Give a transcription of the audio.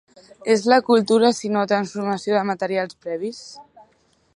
És la cultura sinó transformació de materials previs?